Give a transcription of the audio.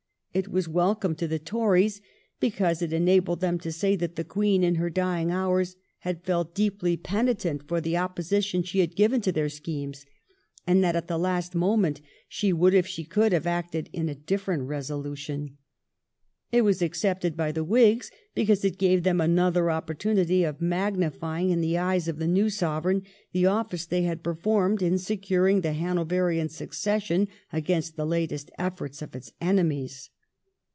It was welcome to the Tories because it enabled them to say that the Queen in her dying hours had felt deeply penitent for the opposition she had given to their schemes, and that at the last moment she would if she could have acted on a difierent resolution. It was acceptable to the Whigs because it gave them another opportunity of magnifying in the eyes of the new Sovereign the office they had performed in securing the Hanoverian suc cession against the latest effi^rts of its enemies.